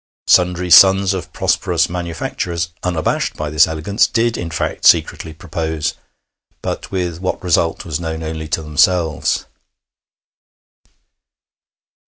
Sundry sons of prosperous manufacturers, unabashed by this elegance, did in fact secretly propose, but with what result was known only to themselves.